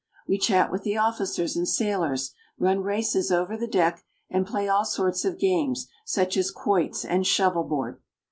We chat with the officers and sailors, run races over the deck, and play all sorts of games such as quoits and shovelboard.